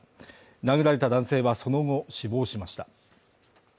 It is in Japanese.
殴られた男性はその後死亡しました。